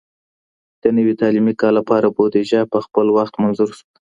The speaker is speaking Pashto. د نوي تعلیمي کال لپاره بودیجه په خپل وخت منظور سوه؟